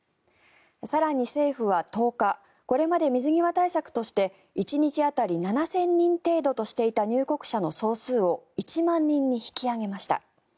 更に政府は１０日これまで水際対策として１日当たり７０００人程度としていた入国者の総数を１万人に引き上げました。